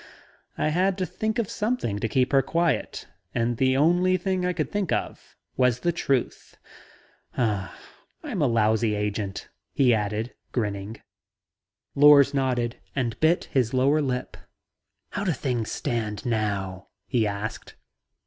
I had to think of something to keep her quiet, and the only thing I could think of was the truth. I'm a lousy agent," he added grinning. Lors nodded and bit his lower lip. "How do things stand now?" He asked.